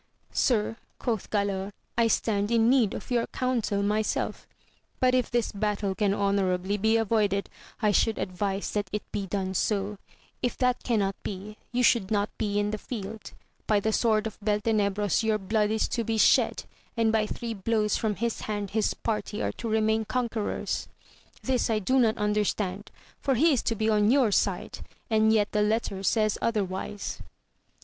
Sir, quoth Gralaor, I stand in need of your counsel myself ; but if this battle can honourably be avoided, I should ad vise that it be done so ; if that cannot be, you should not be in the field; by the sword of Beltenebros your blood is to be shed, and by three blows from his hand his party are to remain conquerors. This I do not understand, for he is to be on your side ; and yet the letter says otherwise.